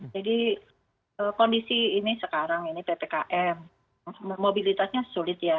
jadi kondisi ini sekarang ini ppkm mobilitasnya sulit ya